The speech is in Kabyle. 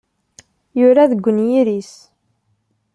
Yura deg unyir-is.